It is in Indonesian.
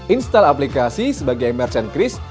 install aplikasi sebagai merchant cris